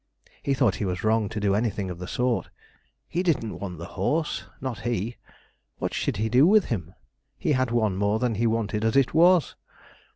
He thought he was wrong to do anything of the sort. He didn't want the horse, not he. What should he do with him? he had one more than he wanted as it was.